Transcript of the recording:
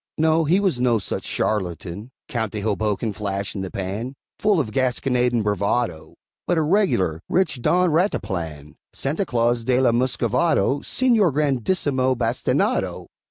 No, he was no such charlatan Count de Hoboken Flash in the pan, Full of gasconade and bravado But a regular, rich Don Rataplan, Santa Claus de la Muscovado, Señor Grandissimo Bastinado.